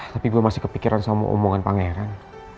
tapi gue masih kepikiran sama omongan pangeran